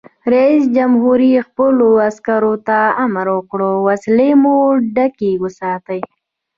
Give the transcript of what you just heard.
رئیس جمهور خپلو عسکرو ته امر وکړ؛ وسلې مو ډکې وساتئ!